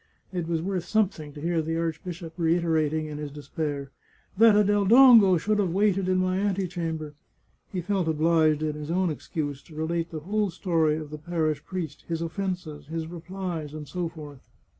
It was worth something to hear the archbishop reiterating in his despair " That a Del Dongo should have waited in my antechamber !" He felt obliged, in his own excuse, to relate the whole story of the parish priest, his offences, his replies, and so forth.